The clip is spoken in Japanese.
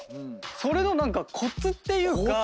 それの何かコツっていうか。